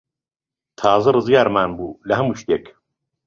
تازە ڕزگارمان بوو لە هەموو شتێک.